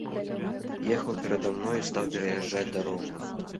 Ехаў перада мной і стаў пераязджаць дарогу.